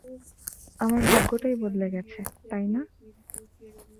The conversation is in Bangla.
আমার ভাগ্যটাই বদলে গেছে, তাই না?